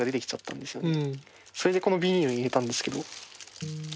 それでこのビニールに入れたんですけど。